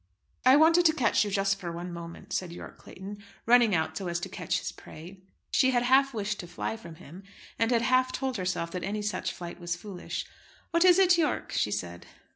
"I wanted to catch you just for one moment," said Yorke Clayton, running out so as to catch his prey. She had half wished to fly from him, and had half told herself that any such flight was foolish. "What is it, Yorke?" she said.